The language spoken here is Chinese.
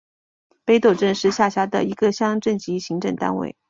北陡镇是是下辖的一个乡镇级行政单位。